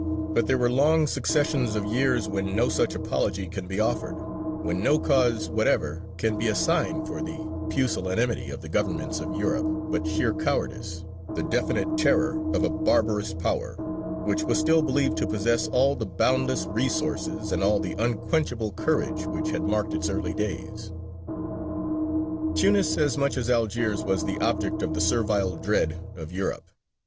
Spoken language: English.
But there were long successions of years when no such apology can be offered, when no cause whatever can be assigned for the pusillanimity of the governments of Europe but sheer cowardice, the definite terror of a barbarous Power which was still believed to possess all the boundless resources and all the unquenchable courage which had marked its early days. Tunis as much as Algiers was the object of the servile dread of Europe.